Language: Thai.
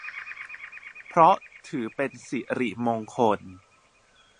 เพราะถือเป็นสิริมงคล